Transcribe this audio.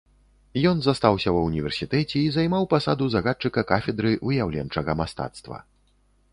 Ён застаўся ва ўніверсітэце і займаў пасаду загадчыка кафедры выяўленчага мастацтва.